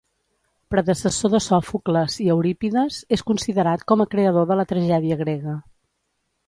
Predecessor de Sòfocles i Eurípides, és considerat com a creador de la tragèdia grega.